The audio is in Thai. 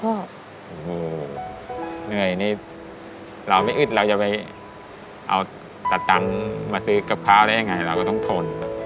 โอ้โหเหนื่อยนี่เราไม่อึดเราจะไปเอาตัดตังค์มาซื้อกับข้าวได้ยังไงเราก็ต้องทน